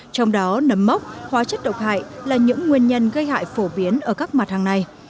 trong đó nấm mốc hóa chất độc hại là những nguyên nhân gây hại phổ biến ở các mặt hàng này